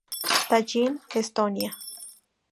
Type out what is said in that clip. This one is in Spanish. Tallinn, Estonia.